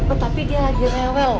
oh tapi dia lagi rewel